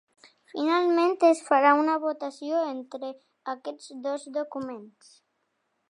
Finalment, es farà una votació entre aquests dos documents.